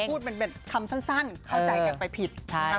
พูดเป็นคำสั้นเข้าใจกันไปผิด